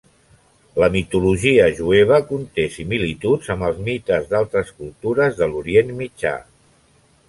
La mitologia jueva conté similituds amb els mites d'altres cultures de l'Orient Mitjà.